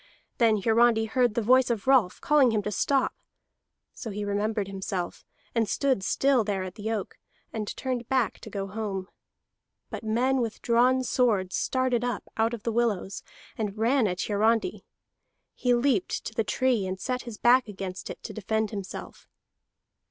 Then Hiarandi heard the voice of Rolf, calling him to stop; so he remembered himself, and stood still there at the oak, and turned back to go home. But men with drawn swords started up out of the willows, and ran at Hiarandi. He leaped to the tree, and set his back against it to defend himself.